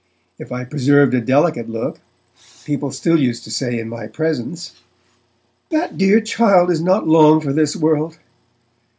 If I preserved a delicate look people still used to say in my presence, 'That dear child is not long for this world!'